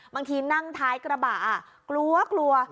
บางทีนั่งท้ายกระบะกลัวกลัว